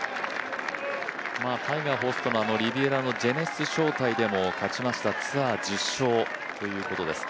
タイガー、ホストのリビエラのジェネシス招待っでも勝ちました、ツアー１０勝ということです。